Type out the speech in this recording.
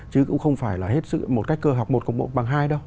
chứ cũng không phải là một cách cơ học một cộng một bằng hai đâu